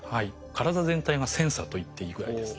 体全体がセンサーといっていいぐらいです。